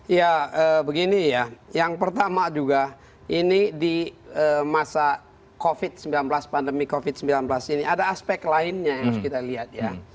ya begini ya yang pertama juga ini di masa covid sembilan belas pandemi covid sembilan belas ini ada aspek lainnya yang harus kita lihat ya